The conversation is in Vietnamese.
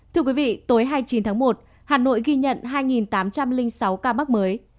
thưa quý vị tối hai mươi chín tháng một hà nội ghi nhận hai tám trăm linh sáu ca mắc mới